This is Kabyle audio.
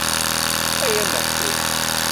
Ay amehtuf!